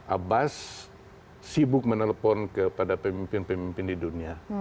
abbas sibuk menelpon kepada pemimpin pemimpin di dunia